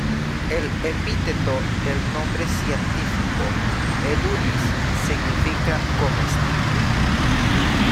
El epíteto del nombre científico, "edulis" significa "comestible".